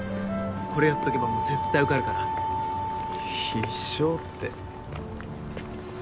これやっとけばもう絶対受かるか「必勝」って。